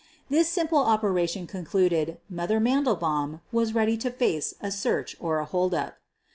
This simple operation concluded) "Mother" Mandelbaum was then ready to face a search or a holdup.